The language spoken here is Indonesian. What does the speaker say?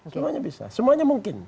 semuanya bisa semuanya mungkin